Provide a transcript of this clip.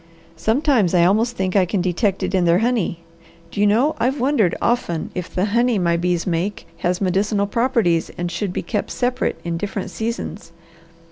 Sometimes I almost think I can detect it in their honey. Do you know I've wondered often if the honey my bees make has medicinal properties and should be kept separate in different seasons.